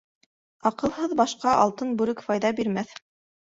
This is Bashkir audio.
Аҡылһыҙ башҡа алтын бүрек файҙа бирмәҫ.